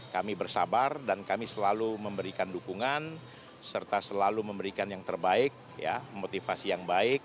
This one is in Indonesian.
kami bersabar dan kami selalu memberikan dukungan serta selalu memberikan yang terbaik motivasi yang baik